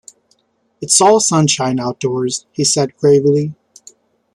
"It's all sunshine outdoors," he said gravely.